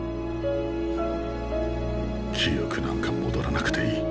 記憶なんか戻らなくていい。